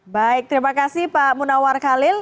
baik terima kasih pak munawar khalil